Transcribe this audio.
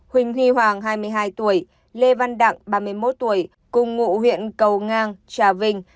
huỳnh huy hoàng hai mươi hai tuổi lê văn đặng ba mươi một tuổi cùng ngụ huyện cầu ngang trà vinh